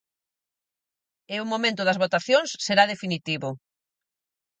E o momento das votacións será definitivo.